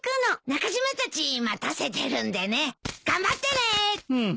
中島たち待たせてるんでね。頑張ってね！